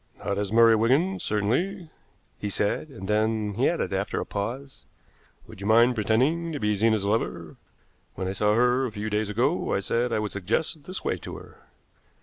"Not as Murray Wigan, certainly," he said, and then he added, after a pause: "Would you mind pretending to be Zena's lover? When I saw her a few days ago I said I would suggest this way to her."